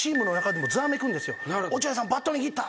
落合さんバット握った。